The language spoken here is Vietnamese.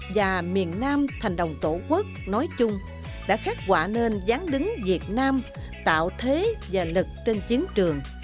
và miền nam thành đồng tổ quốc nói chung đã khắc quả nên gián đứng việt nam tạo thế và lực trên chiến trường